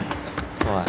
おい。